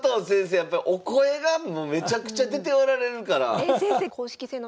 やっぱりお声がもうめちゃくちゃ出ておられるから。